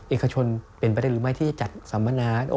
เอกชนเป็นไปได้หรือไม่ที่จะจัดสัมมนา